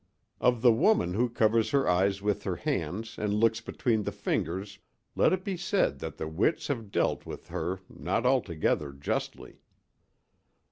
Of the woman who covers her eyes with her hands and looks between the fingers let it be said that the wits have dealt with her not altogether justly.